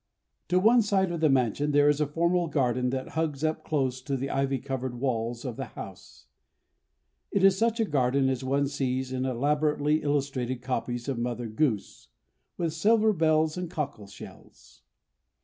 To one side of the mansion there is a formal garden that hugs up close to the ivy covered walls of the house. It is such a garden as one sees in elaborately illustrated copies of Mother Goose "with silver bells and cockle shells."